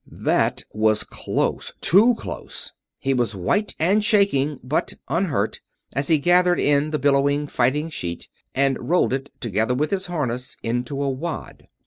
That was close too close! He was white and shaking, but unhurt, as he gathered in the billowing, fighting sheet and rolled it, together with his harness, into a wad.